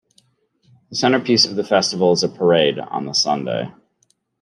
The centrepiece of the festival is a parade on the Sunday.